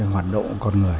hoạt động của con người